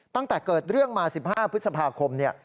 ตั้งแต่เกิดเรื่องมา๑๕พฤษภาคมเนี่ย